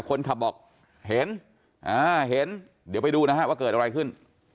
คนขับบอกเห็นอ่าเห็นเห็นเดี๋ยวไปดูนะฮะว่าเกิดอะไรขึ้น